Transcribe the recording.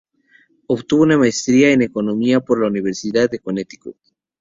Obtuvo una Maestría en Economía por la Universidad de Connecticut.